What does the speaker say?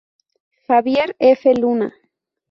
Javier F. Luna.